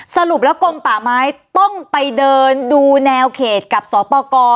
สรุปแล้วกลมป่าไม้ต้องไปเดินดูแนวเขตกับสปกร